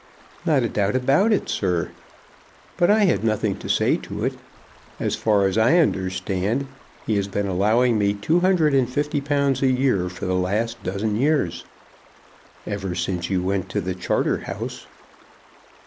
"Not a doubt about it, sir. But I had nothing to say to it. As far as I understand, he has been allowing me two hundred and fifty pounds a year for the last dozen years." "Ever since you went to the Charter house."